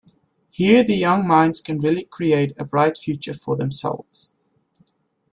Here the young minds can really create a bright future for themselves.